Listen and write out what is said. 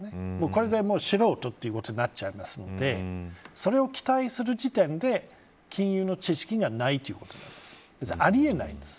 これで、素人ということになっちゃいますのでそれを期待する時点で金融の知識がないということなんです。